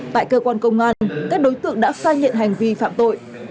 tại cơ quan công an các đối tượng đã xa nhện hành vi phạm tội